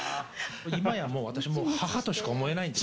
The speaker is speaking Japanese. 今やもう、私、母としか思えないんです。